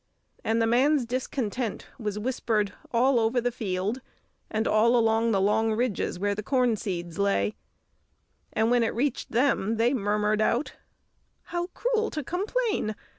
And the man's discontent was whispered all over the field, and all along the long ridges where the corn seeds lay; and when it reached them they murmured out, "How cruel to complain!